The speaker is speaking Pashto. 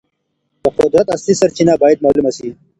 د قدرت اصلي سرچینه باید معلومه سي.